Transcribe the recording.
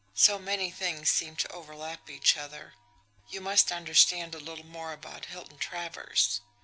"So many things seem to overlap each other. You must understand a little more about Hilton Travers.